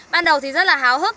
ban đầu thì rất là háo hức